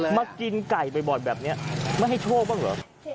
มากินไก่บ่อยแบบนี้ไม่ให้โชคบ้างเหรอ